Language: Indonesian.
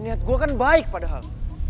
niat gue kan baik padahal